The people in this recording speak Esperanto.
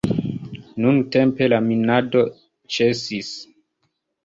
Nuntempe la minado ĉesis.